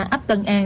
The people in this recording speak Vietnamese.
ấp tân an